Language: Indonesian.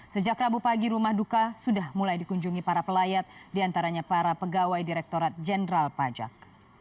sejak rabu pagi rumah duka sudah mulai dikunjungi para pelayat diantaranya para pegawai direkturat jenderal pajak